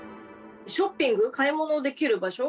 ショッピング買い物できる場所